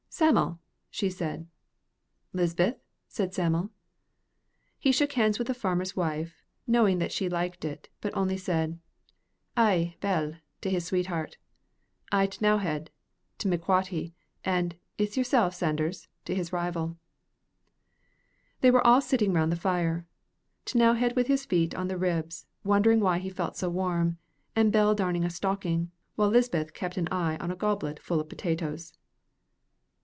"Sam'l," she said. "Lisbeth," said Sam'l. He shook hands with the farmer's wife, knowing that she liked it, but only said, "Ay, Bell," to his sweetheart, "Ay, T'nowhead," to McQuhatty, and "It's yersel, Sanders," to his rival. They were all sitting round the fire; T'nowhead with his feet on the ribs, wondering why he felt so warm, and Bell darned a stocking, while Lisbeth kept an eye on a goblet full of potatoes.